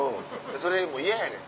それもう嫌やねん。